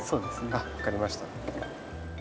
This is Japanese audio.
あっ分かりました。